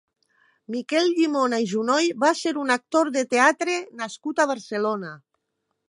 Miquel Llimona i Junoy va ser un actor de teatre nascut a Barcelona.